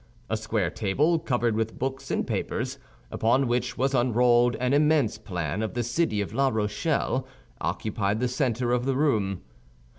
A square table, covered with books and papers, upon which was unrolled an immense plan of the city of La Rochelle, occupied the center of the room.